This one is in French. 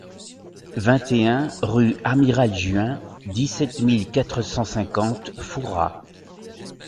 vingt et un rue Amiral Juin, dix-sept mille quatre cent cinquante Fouras